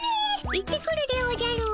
行ってくるでおじゃる。